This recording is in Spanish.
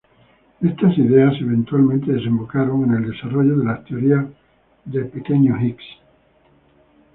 Estas ideas eventualmente desembocaron en el desarrollo de las teorías pequeño Higgs.